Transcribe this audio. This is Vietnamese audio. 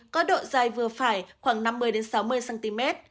có độ dài vừa phải khoảng năm mươi sáu mươi cm